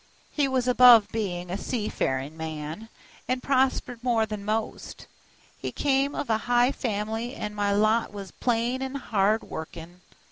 He was above bein' a seafarin' man, an' prospered more than most; he come of a high family, an' my lot was plain an' hard workin'.